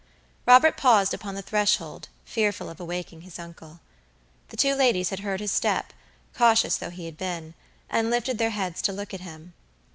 Robert paused upon the threshold, fearful of awaking his uncle. The two ladies had heard his step, cautious though he had been, and lifted their heads to look at him.